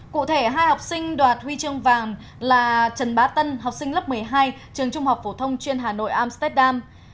cụ thể hai học sinh đoạt huy chương vàng là trần bá tân học sinh lớp một mươi hai trường trung học phổ thông chuyên hà nội amsterdam